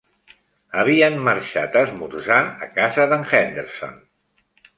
Havien marxat a esmorzar a casa d'en Henderson.